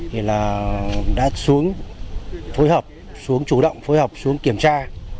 thì là đã xuống phối hợp xuống chủ động phối hợp xuống kiểm tra